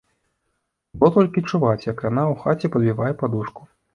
Было толькі чуваць, як яна ў хаце падбівае падушку.